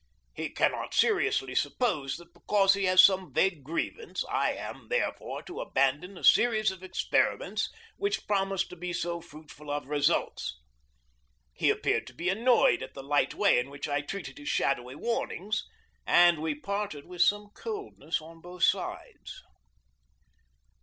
He cannot seriously suppose that because he has some vague grievance I am, therefore, to abandon a series of experiments which promise to be so fruitful of results. He appeared to be annoyed at the light way in which I treated his shadowy warnings, and we parted with some little coldness on both sides.